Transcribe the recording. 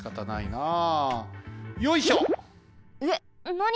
なに？